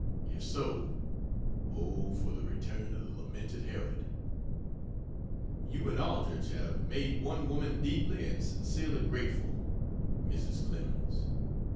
If so, O for the return of the lamented Herod! You and Aldrich have made one woman deeply and sincerely grateful Mrs. Clemens.